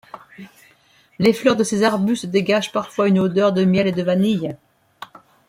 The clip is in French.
Les fleurs de ces arbustes dégagent parfois une odeur de miel et de vanille.